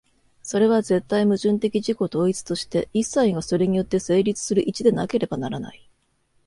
それは絶対矛盾的自己同一として、一切がそれによって成立する一でなければならない。